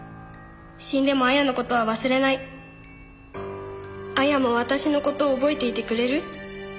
「死んでも亜矢のことは忘れない」「亜矢も私のことを覚えていてくれる」